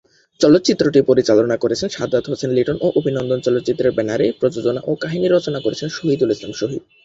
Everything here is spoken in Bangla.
চলচ্চিত্রটি পরিচালনা করেছেন শাহাদাত হোসেন লিটন ও অভিনন্দন চলচ্চিত্রের ব্যানারে প্রযোজনা ও কাহিনি রচনা করেন শহিদুল ইসলাম শহিদ।